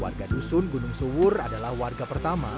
warga dusun gunung suwur adalah warga pertama